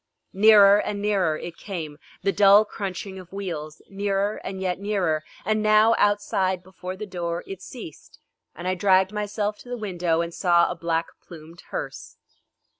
Nearer and nearer it came, the dull crunching of wheels, nearer and yet nearer, and now, outside before the door it ceased, and I dragged myself to the window and saw a black plumed hearse.